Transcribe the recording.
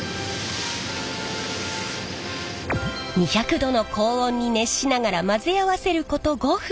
２００℃の高温に熱しながら混ぜ合わせること５分。